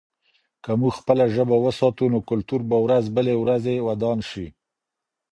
که موږ خپله ژبه وساتو، نو کلتور به ورځ بلې ورځې ودان شي.